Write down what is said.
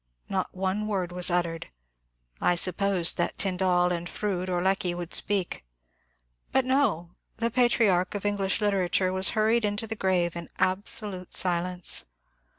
Not one word was uttered. I supposed that Tyndall and Froude or Lecky would speak, — but no 1 the patriarch of English literature was hurried into the grave in absolute silence.